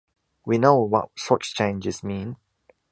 We know what such changes mean.